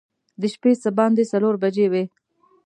د شپې څه باندې څلور بجې وې.